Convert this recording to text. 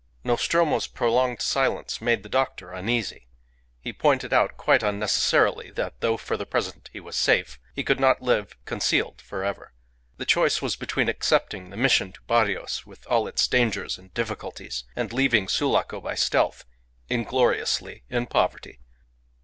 Nostromo's prolonged silence made the doctor uneasy. He pointed out, quite unnecessarily, that though for the present he was safe, he could not live concealed for ever. The choice was between accepting the mission to Barrios, with all its dangers and difficulties, and leaving Sulaco by stealth, ingloriously, in poverty.